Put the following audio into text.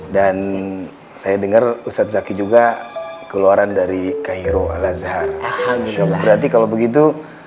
dan saya dengar ustadz zaki juga keluaran dari cairo al azhar berarti kalau begitu